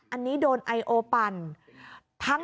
อันนี้โดนไอโอปั่น